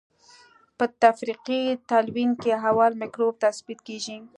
په تفریقي تلوین کې اول مکروب تثبیت کیږي.